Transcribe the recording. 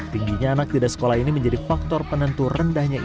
tingginya anak tidak sekolah ini menjadi faktor penentu rendahnya